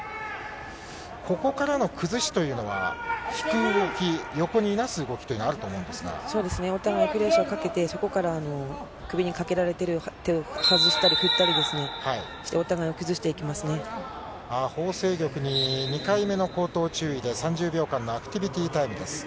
ここからの崩しというのは、引く動き、横にいなす動きというお互いプレッシャーをかけて、そこから首にかけられている手を外したり振ったりして、お互いをホウ倩玉に２回目の口頭注意で、３０秒間のアクティビティタイムです。